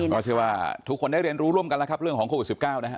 ก็เชื่อว่าทุกคนได้เรียนรู้ร่วมกันแล้วครับเรื่องของโควิด๑๙นะฮะ